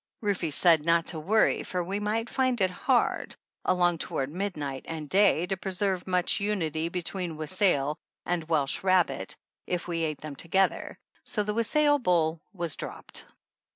Rufe said not to worry, for we might find it hard, along toward midnight and day, to preserve much unity be tween wassail and Welsh rabbit, if we ate them together, so the wassail bowl was dropped.